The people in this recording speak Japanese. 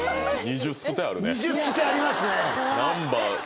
２０ステありますね！